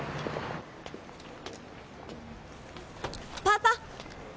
パパ！